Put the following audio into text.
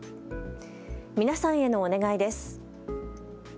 皆さんへのお願いです。